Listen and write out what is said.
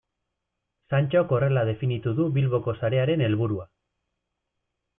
Santxok horrela definitu du Bilboko sarearen helburua.